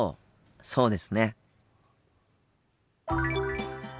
そうですね。